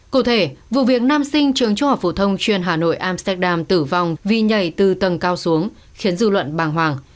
cụ thể vụ việc nam sinh trường trung học phổ thông chuyên hà nội amsterdam tử vong vì nhảy từ tầng cao xuống khiến dư luận bàng hoàng